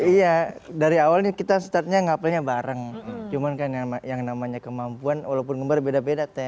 iya dari awalnya kita startnya ngapelnya bareng cuman kan yang namanya kemampuan walaupun gembar beda beda teh